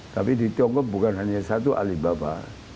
tapi di tiongkok bukan hanya satu alibaba